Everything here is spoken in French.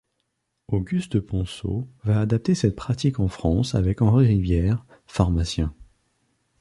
Auguste Ponsot va adapter cette pratique en France avec Henri Rivier, pharmacien.